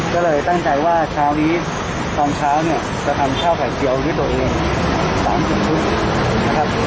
ก็เลยตั้งใจว่าเช้านี้ตอนเช้าเนี่ยจะทำข้าวไข่เจียวด้วยตัวเอง๓๐ชุดนะครับ